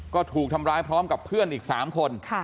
ก็ถูกทำร้ายพร้อมกับเพื่อนอีก๓คน